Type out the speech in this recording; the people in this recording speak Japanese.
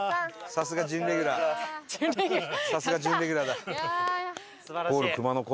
さすが準レギュラーだ。